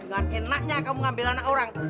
dengan enaknya kamu ngambil anak orang